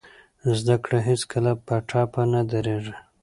زده کړه هېڅکله په ټپه نه دریږي.